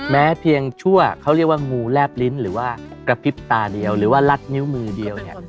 แม้เพียงชั่วเขาเรียกว่างูแลบลิ้นหรือว่ากระพริบตาเดียวหรือว่ารัดนิ้วมือเดียวเนี่ย